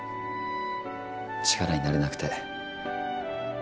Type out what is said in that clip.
力になれなくて。